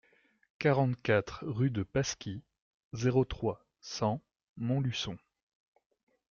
quarante-quatre rue de Pasquis, zéro trois, cent Montluçon